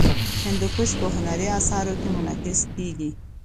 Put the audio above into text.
هندوکش په هنري اثارو کې منعکس کېږي.